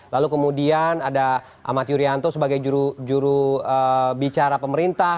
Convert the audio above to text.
lalu kemudian ada ahmad yuryanto sebagai juru bicara pemerintah